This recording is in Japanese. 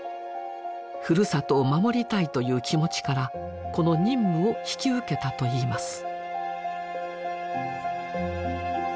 「ふるさとを守りたい」という気持ちからこの任務を引き受けたといいます。